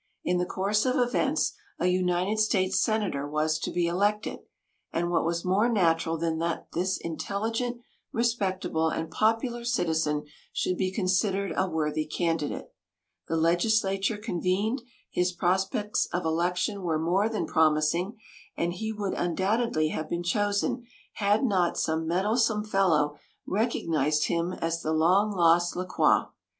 In the course of events a United States senator was to be elected, and what was more natural than that this intelligent, respectable and popular citizen should be considered a worthy candidate. The legislature convened, his prospects of election were more than promising, and he would undoubtedly have been chosen had not some meddlesome fellow recognized him as the long lost La Croix.